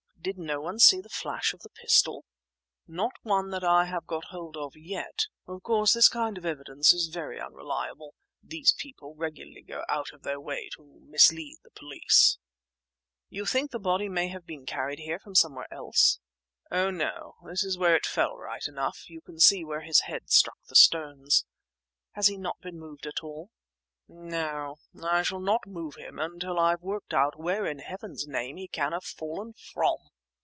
"Did no one see the flash of the pistol?" "No one that I have got hold of yet. Of course this kind of evidence is very unreliable; these people regularly go out of their way to mislead the police." "You think the body may have been carried here from somewhere else?" "Oh, no; this is where it fell, right enough. You can see where his head struck the stones." "He has not been moved at all?" "No; I shall not move him until I've worked out where in heaven's name he can have fallen from!